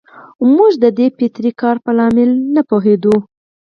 موږ د دې فطري کار په لامل نه پوهېدو.